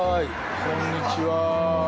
こんにちは。